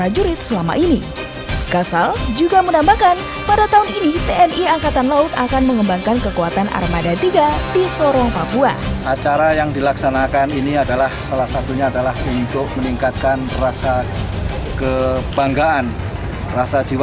jarak delapan ratus meter